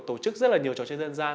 tổ chức rất là nhiều trò chơi dân gian